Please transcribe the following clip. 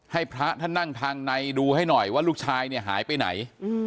ให้พระท่านนั่งทางในดูให้หน่อยว่าลูกชายเนี่ยหายไปไหน